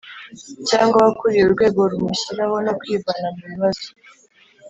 cyangwa abakuriye urwego rumushyiraho no kwivana mubibazo